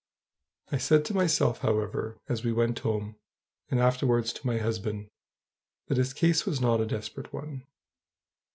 I said to myself, however, as we went home, and afterwards to my husband, that his case was not a desperate one.